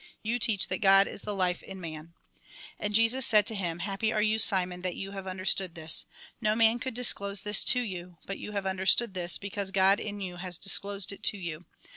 You teach that God is the life in man." And Jesus said to him :" Happy are you, Simon, that you have understood this. No man could dis close this to you; but you have understood this, because God in you has disclosed it to you.